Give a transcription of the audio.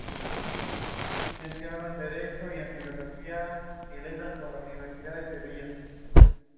Kennedy Brown has work in the collection of the Irish Arts Council.